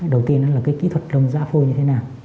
đầu tiên là cái kỹ thuật đông dã phôi như thế nào